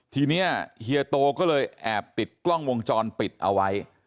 ทีนี้เฮียโตก็เลยแอบติดกล้องวงจรปิดเอาไว้